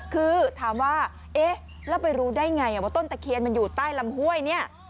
คือถามว่าเอ๊ะแล้วไปรู้ได้ไงว่าต้นตะเคียนมันอยู่ใต้ลำห้วยเนี่ย